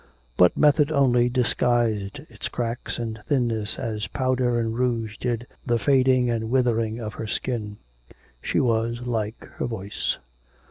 But method only disguised its cracks and thinness as powder and rouge did the fading and withering of her skin. She was like her voice.